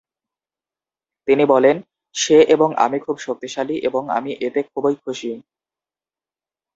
তিনি বলেন, "সে এবং আমি খুব শক্তিশালী এবং আমি এতে খুবই খুশি"।